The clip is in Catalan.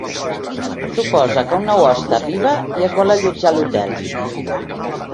Suposa que un nou hoste arriba i es vol allotjar a l'hotel.